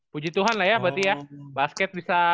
puji tuhan lah ya berarti ya basket bisa